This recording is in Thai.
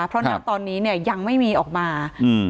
เพราะฉะนั้นตอนนี้เนี่ยยังไม่มีออกมาอืม